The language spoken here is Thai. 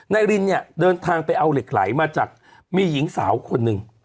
รินเนี่ยเดินทางไปเอาเหล็กไหลมาจากมีหญิงสาวคนหนึ่ง